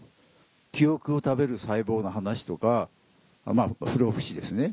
記憶を食べる細胞の話とか不老不死ですね。